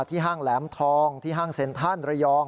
ห้างแหลมทองที่ห้างเซ็นทรัลระยอง